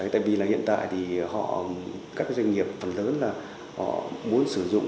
tại vì là hiện tại thì họ các doanh nghiệp phần lớn là họ muốn sử dụng